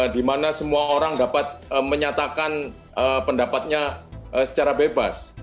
di mana semua orang dapat menyatakan pendapatnya secara bebas